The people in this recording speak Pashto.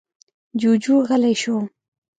جوجو غلی شو.